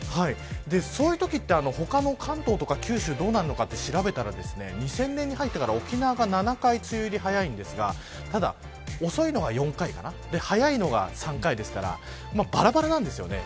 そういうときって、他の関東とか九州はどうなるのかと調べたら２０００年に入ってから沖縄が７回、梅雨入りが早いんですがただ遅いのが４回早いのが３回ですからばらばらなんです。